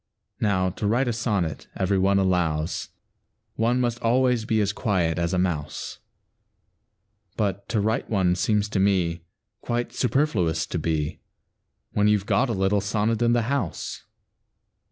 Now, to write a sonnet, every one allows, One must always be as quiet as a mouse; But to write one seems to me Quite superfluous to be, When you 've got a little sonnet in the house.